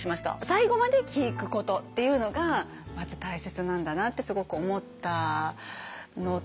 最後まで聞くことっていうのがまず大切なんだなってすごく思いました。